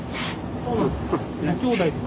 そうなんですか。